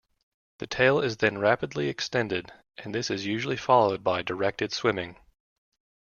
The tail is then rapidly extended, and this is usually followed by directed swimming.